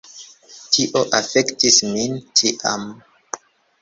Tio afektis min tiam.